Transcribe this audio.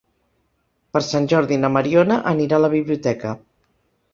Per Sant Jordi na Mariona anirà a la biblioteca.